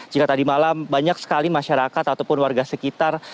jika tadi malam banyak sekali masyarakat ataupun warga sekitar